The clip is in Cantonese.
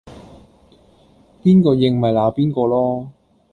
邊個應咪鬧邊個囉